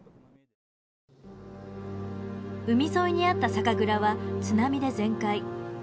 海沿いにあった酒蔵は津波で全壊。